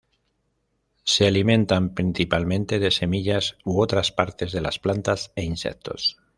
Se alimentan principalmente de semillas u otras partes de las plantas e insectos.